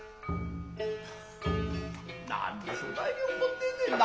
何をそないに怒ってんねんな。